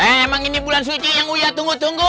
emang ini bulan suci yang uyat tunggu tunggu